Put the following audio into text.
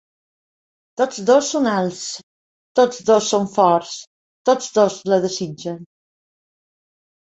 Tots dos són alts, tots dos són forts, tots dos la desitgen.